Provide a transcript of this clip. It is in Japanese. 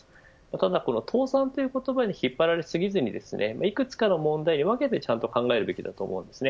ただ倒産という言葉に引っ張られすぎずにいくつかの問題に分けてちゃんと考えるべきだと思います。